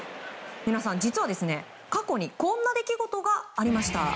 皆さん、実は過去にこんな出来事がありました。